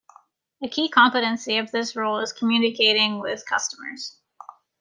A key competency of this role is communicating with customers.